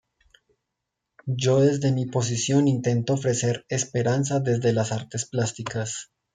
Yo desde mi posición intento ofrecer esperanza desde las artes plásticas.